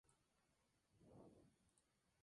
En estos momentos se encuentra sin equipo.